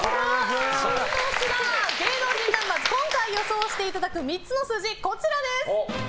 芸能人ナンバーズ今回予想していただく３つの数字、こちらです。